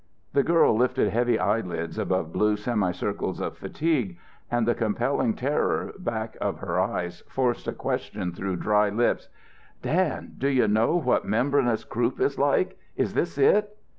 The girl lifted heavy eyelids above blue semicircles of fatigue and the compelling terror back of her eyes forced a question through dry lips. "Dan, do you know what membranous croup is like? Is this it?"